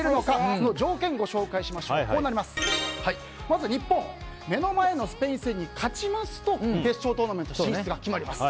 その条件は、まず日本目の前にスペイン戦に勝ちますと決勝トーナメント進出が決まります。